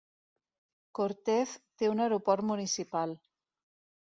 Cortez té un aeroport municipal.